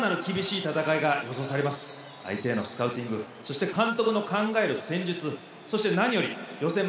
相手へのスカウティングそして監督の考える戦術そして何より予選